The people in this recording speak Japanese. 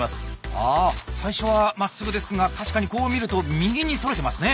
あ最初はまっすぐですが確かにこう見ると右にそれてますね。